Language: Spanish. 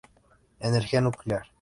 Energía nuclear.